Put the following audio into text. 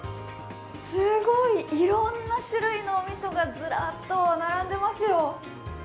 すごい、いろんな種類のおみそがずらっと並んでますよ！